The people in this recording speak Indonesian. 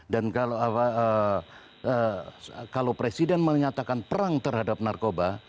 dan kalau presiden menyatakan perang terhadap narkoba